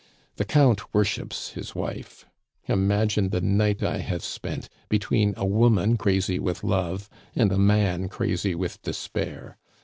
The Count worships his wife. Imagine the night I have spent, between a woman crazy with love and a man crazy with despair.